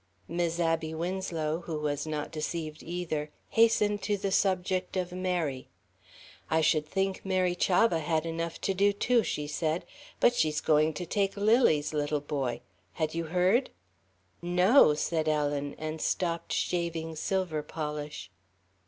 Mis' Abby Winslow, who was not deceived either, hastened to the subject of Mary. "I should think Mary Chavah had enough to do, too," she said, "but she's going to take Lily's little boy. Had you heard?" "No," Ellen said, and stopped shaving silver polish.